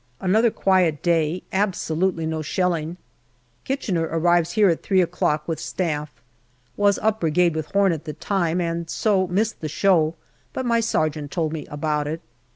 Another quiet day, absolutely no shelling. Kitchener arrives here at three o'clock with Staff. Was up Brigade with Home at the time, and so missed the show ; but my sergeant told me about it.